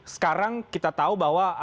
sekarang kita tahu bahwa